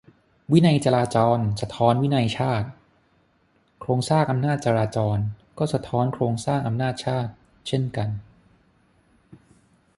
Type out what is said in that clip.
"วินัยจราจร สะท้อนวินัยชาติ" ? โครงสร้างอำนาจจราจร ก็สะท้อนโครงสร้างอำนาจชาติ เช่นกัน ?